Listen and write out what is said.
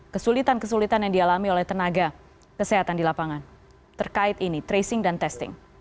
kesulitan kesulitan yang dialami oleh tenaga kesehatan di lapangan terkait ini tracing dan testing